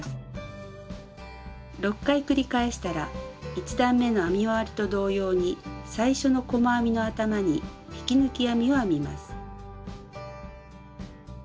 ６回繰り返したら１段めの編み終わりと同様に最初の細編みの頭に引き抜き編みを編みます。